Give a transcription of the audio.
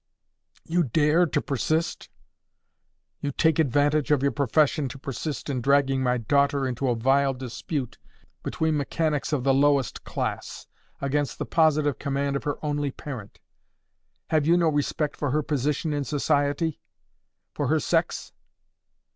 "You dare to persist! You take advantage of your profession to persist in dragging my daughter into a vile dispute between mechanics of the lowest class—against the positive command of her only parent! Have you no respect for her position in society?—for her sex?